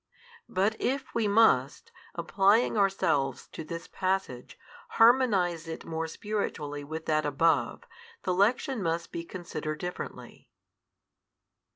But if we must, applying ourselves to this passage, harmonize it more spiritually with that above, the lection must be considered differently.